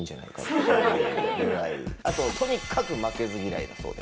あととにかく負けず嫌いだそうで。